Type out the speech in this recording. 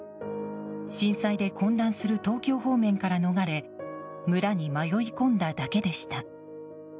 震災で混乱する東京方面から逃れ村に迷い込んだだけでした。